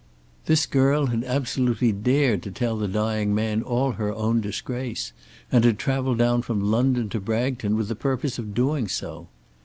This girl had absolutely dared to tell the dying man all her own disgrace, and had travelled down from London to Bragton with the purpose of doing so!